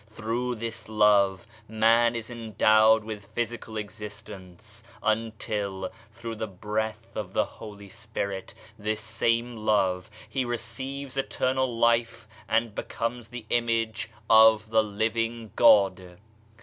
Through this love man is endowed with physical exist ence, until, through the Breath of the Holy Spirit this same love he receives eternal life and becomes the image of the Living God.